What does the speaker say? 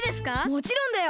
もちろんだよ。